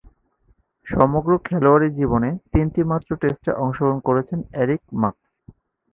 সমগ্র খেলোয়াড়ী জীবনে তিনটিমাত্র টেস্টে অংশগ্রহণ করেছেন এরিক মার্ক্স।